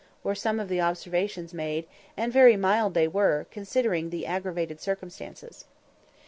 were some of the observations made, and very mild they were, considering the aggravated circumstances.